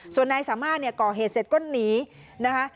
ส่วนนายสามารถเนี่ยก่อเหตุเสร็จก็หนีนะคะ